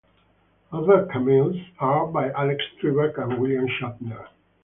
Other cameos are by Alex Trebek and William Shatner.